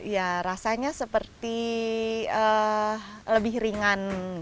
ya rasanya seperti lebih ringan